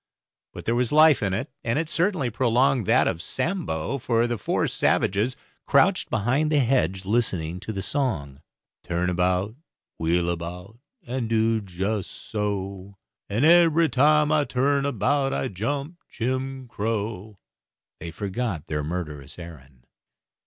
But there was life in it, and it certainly prolonged that of Sambo, for as the four savages crouched behind the hedge listening to the "Turn about and wheel about, and do just so, And ebery time I turn about I jump Jim Crow," they forgot their murderous errand.